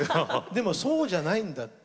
でもそうじゃないんだって。